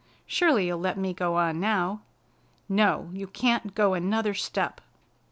Surely you'll let me go on now." "No, you can't go another step." Mr.